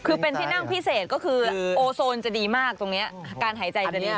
คือเป็นที่นั่งพิเศษก็คือโอโซนจะดีมากตรงนี้การหายใจจะยาก